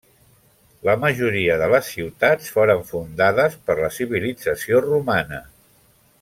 La majoria de les ciutats foren fundades per la civilització romana.